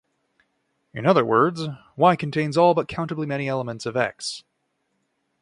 In other words, "Y" contains all but countably many elements of "X".